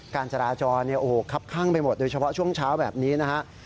การจราจรคับข้างไปหมดโดยเฉพาะช่วงเช้าแบบนี้นะฮะ